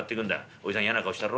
おじさん嫌な顔したろ？